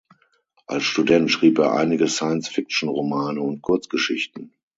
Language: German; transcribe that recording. Als Student schrieb er einige Science-Fiction-Romane und -Kurzgeschichten.